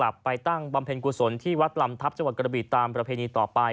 ไปตั้งบำเพ็ญกุศลที่วัดลำทัพจังหวัดกระบีตามประเพณีต่อไป